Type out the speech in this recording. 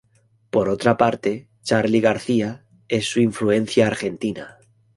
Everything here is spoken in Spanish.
Por otra parte, Charly García es su influencia argentina.